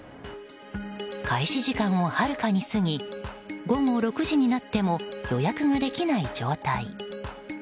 開始時間をはるかに過ぎ午後６時になっても予約ができない状態。